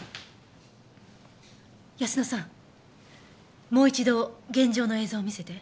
泰乃さんもう一度現場の映像を見せて。